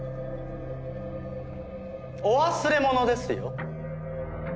お忘れ物ですよ。